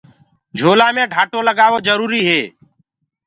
جھولآ مي ڍآٽو لگآوو جروُريٚ هي۔